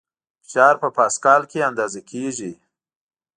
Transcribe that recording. فشار په پاسکال کې اندازه کېږي.